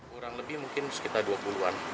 kurang lebih mungkin sekitar dua puluh an